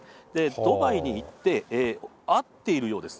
ドバイに行って、あっているようです。